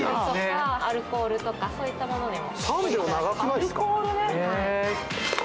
アルコールとかそういったものでも。